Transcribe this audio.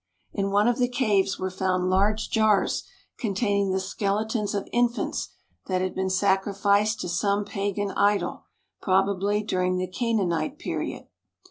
In one of the caves were found large jars containing the skeletons of infants that had been sacrificed to some pagan idol, probably during the Canaanite period.